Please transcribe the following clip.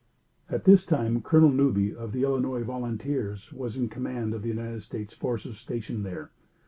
At this time Colonel Newby, of the Illinois Volunteers, was in command of the United States forces stationed there.